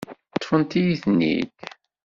Ṭṭfent-iyi-ten-id.